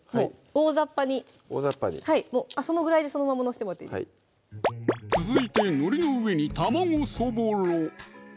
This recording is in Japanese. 大雑把に大雑把にはいそのぐらいでそのまま載せてもらっていいです続いてのりの上に卵そぼろ！